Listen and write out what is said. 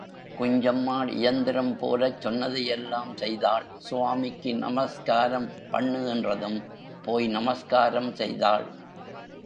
குஞ்சம்மாள் இயந்திரம்போலச் சொன்னதையெல்லாம் செய்தாள் சுவாமிக்கு நமஸ்காரம் பண்ணு என்றதும் போய் நமஸ்காரம் செய்தாள்.